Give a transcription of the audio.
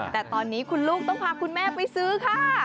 แต่ตอนนี้คุณลูกต้องพาคุณแม่ไปซื้อค่ะ